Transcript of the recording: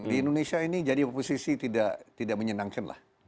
di indonesia ini jadi posisi tidak tidak menyenangkan lah